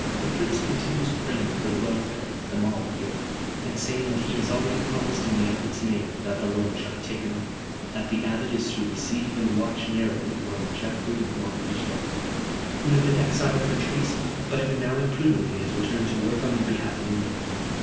"The Prince continues praying for the welfare of them all at York, and saying that he has already promised in the Abbot's name that the loan shall be taken off; that the Abbot is to receive and watch narrowly one Geoffrey of Montfichet, who has been exiled for treason, but who now imprudently has returned to work on their behalf in England."